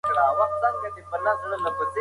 هغه د صفوي حکومت له برید څخه وېره لرله.